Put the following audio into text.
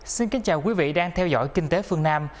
xin kính chào quý vị đang theo dõi kinh tế phương nam